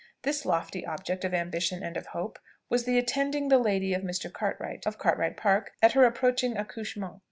This lofty object of ambition and of hope was the attending the lady of Mr. Cartwright, of Cartwright Park, at her approaching accouchement.